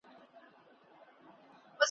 سمدستي یې سوله خلاصه د زړه غوټه `